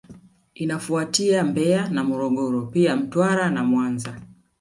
Inafuatia Mbeya na Morogoro pia Mtwara na Mwanza